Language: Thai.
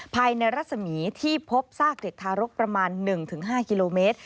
ภายในรัศมีที่พบซากเด็กทารกประมาณ๑๕กิโลเมตร